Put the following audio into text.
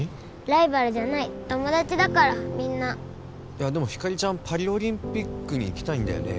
ライバルじゃない友達だからみんないやでもひかりちゃんパリオリンピックに行きたいんだよね？